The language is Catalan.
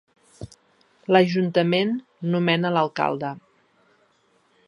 L'ajuntament nomena l'alcalde.